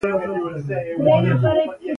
د پنسل پاکول د قلم په پرتله ډېر اسانه وي.